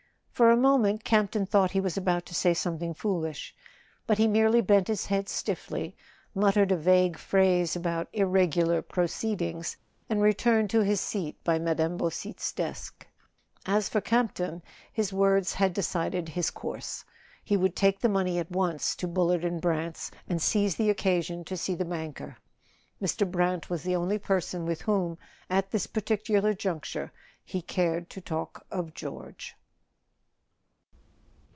For a moment Camp ton thought he was about to say something foolish. But he merely bent his head stiffly, muttered a vague phrase about "irregular proceedings," and returned to his seat by Mme. Beausite's desk. As for Campton, his words had decided his course: he would take the money at once to Bullard and Brant's and seize the occasion to see the banker. Mr. Brant was the only person with whom, at this particular juncture, he cared to talk of George.